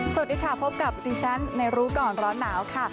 สวัสดีค่ะพบกับดิฉันในรู้ก่อนร้อนหนาวค่ะ